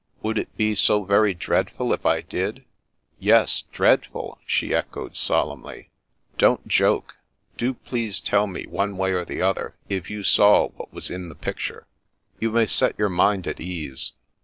" Would it be so very dreadful if I did ?"" Yes, dreadful," she echoed solemnly. " Don't joke. Do please tell me, one way or the other, if you saw what was in the picture ?"" You may set your mind at ease.